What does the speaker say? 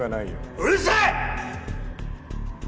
うるさい！